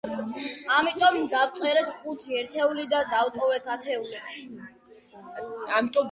ამიტომ დავწეროთ ხუთი ერთეული და ერთი დავტოვოთ ათეულებში.